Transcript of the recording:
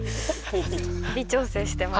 微調整してます。